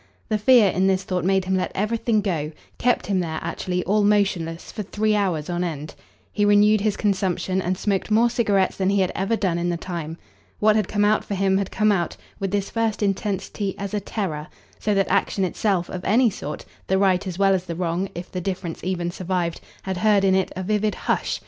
The fear in this thought made him let everything go, kept him there actually, all motionless, for three hours on end. He renewed his consumption and smoked more cigarettes than he had ever done in the time. What had come out for him had come out, with this first intensity, as a terror; so that action itself, of any sort, the right as well as the wrong if the difference even survived had heard in it a vivid "Hush!"